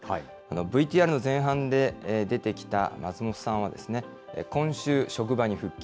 ＶＴＲの前半で出てきた松本さんは、今週、職場に復帰。